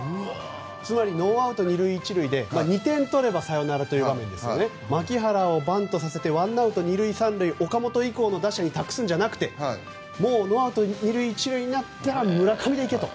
つまりノーアウト２塁１塁で２点取ればサヨナラという場面で牧原をバントさせてワンアウト２塁３塁岡本以降の打者に託すんじゃなくてもうノーアウト２塁１塁になったら村上で行けと。